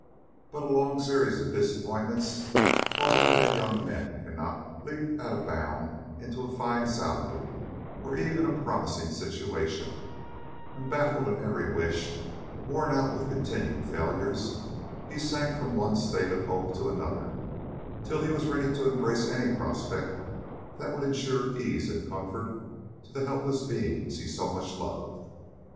But a long series of disappointments taught him that young men cannot leap at a bound into a fine salary or even a promising situation; and baffled in every wish, worn out with continued failures, he sank from one state of hope to another, till he was ready to embrace any prospect that would insure ease and comfort to the helpless beings he so much loved.